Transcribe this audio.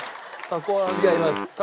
違います。